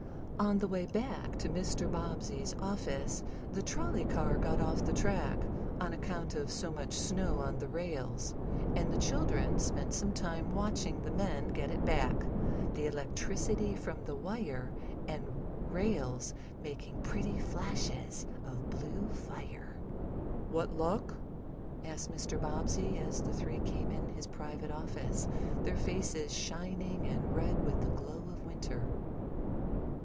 On the way back to Mr. Bobbsey's office, the trolley car got off the track, on account of so much snow on the rails, and the children spent some time watching the men get it back, the electricity from the wire and rails making pretty flashes of blue fire. "What luck?" asked Mr. Bobbsey, as the three came in his private office, their faces shining and red with the glow of winter.